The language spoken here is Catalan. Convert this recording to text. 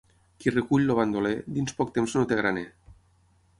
Qui recull el bandoler, dins poc temps no té graner.